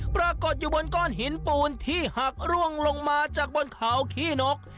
ปรากฏอยู่บนก้อนหินปูนที่หักร่วงลงมาจากบนเขาขี้นก